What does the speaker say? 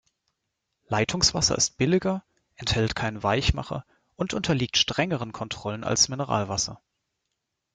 Leitungswasser ist billiger, enthält keinen Weichmacher und unterliegt strengeren Kontrollen als Mineralwasser.